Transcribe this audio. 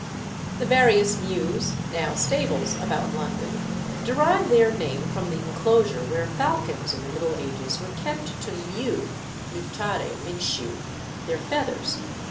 The various mews, now stables, about London, derive their name from the enclosure where falcons in the Middle Ages were kept to mew (mutare, Minshew) their feathers.